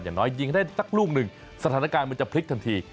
อย่างน้อยยิงได้สักลูกหนึ่งสถานการณ์มันจะพลิกทันที